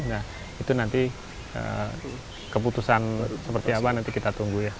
nah itu nanti keputusan seperti apa nanti kita tunggu ya